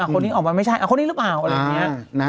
คนนี้ออกมาไม่ใช่คนนี้หรือเปล่า